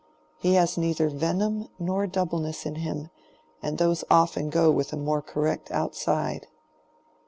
He has neither venom nor doubleness in him, and those often go with a more correct outside."